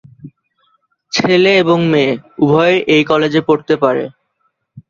ছেলে এবং মেয়ে উভয়ই এই কলেজে পড়তে পারে।